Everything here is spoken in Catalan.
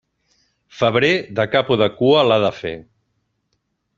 Febrer, de cap o de cua l'ha de fer.